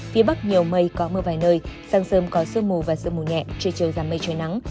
phía bắc nhiều mây có mưa vài nơi sáng sớm có sương mù và sương mù nhẹ trời chiều giảm mây trời nắng